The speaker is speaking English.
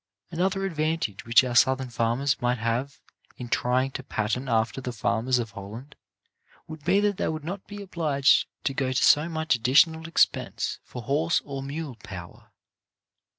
Another advantage which our Southern farmers might have in trying to pattern after the farmers of Holland, would be that they would not be obliged to go to so much additional expense for horse or mule power.